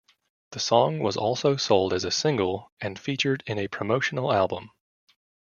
The song was also sold as a single and featured in a promotional album.